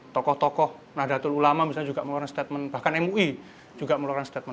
tokoh tokoh nahdlatul ulama misalnya juga mengeluarkan statement bahkan mui juga mengeluarkan statement